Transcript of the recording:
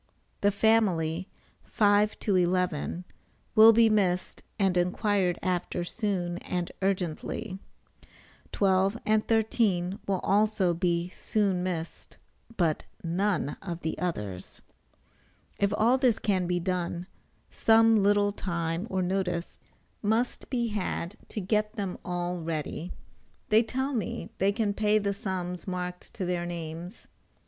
The family 5 to 11 will be missed and inquired after soon and urgently; 12 and 13 will also be soon missed, but none of the others. If all this can be done, some little time or notice must be had to get them all ready. They tell me they can pay the sums marked to their names.